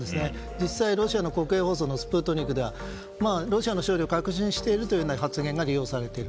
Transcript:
実際、ロシアの国営放送ではロシアの勝利を確信しているというような発言が利用されている。